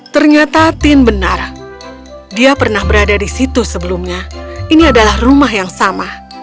ternyata tin benar dia pernah berada di situ sebelumnya ini adalah rumah yang sama